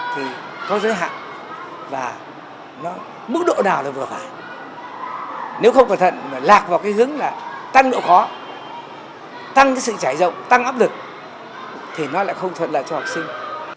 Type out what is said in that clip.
thì có giới hạn và mức độ nào là vừa phải nếu không cẩn thận mà lạc vào cái hướng là tăng độ khó tăng cái sự trải rộng tăng áp lực thì nó lại không thuận lợi cho học sinh